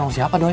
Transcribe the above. warung siapa doi